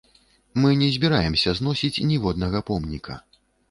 Мы не збіраемся зносіць ніводнага помніка.